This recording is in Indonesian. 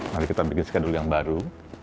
nanti kita bikin skedul yang baru